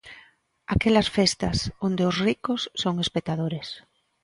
¡Aquelas festas, onde os ricos son espectadores!